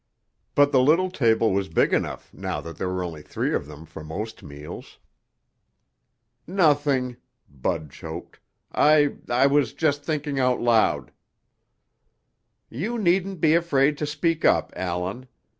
But the little table was big enough now that there were only three of them for most meals. "Nothing." Bud choked. "I I was just thinking out loud." "You needn't be afraid to speak up, Allan.